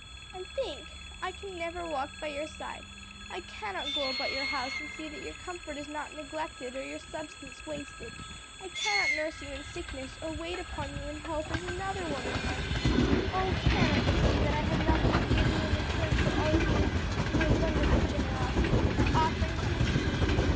And think: I can never walk by your side: I cannot go about your house and see that your comfort is not neglected, or your substance wasted. I cannot nurse you in sickness or wait upon you in health as another woman might. Oh cannot you see that I have nothing to give you in return for all you in your wonderful generosity are offering to me?"